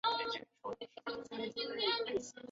金色代表澳大利亚的国花金合欢。